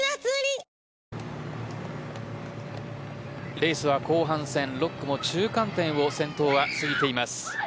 レースは後半戦６区も中間点を先頭は過ぎています。